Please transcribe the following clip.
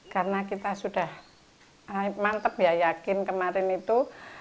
karena kita sudah mantep ya yakin kemarin itu